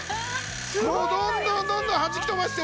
どんどんどんどんはじき飛ばしてほら。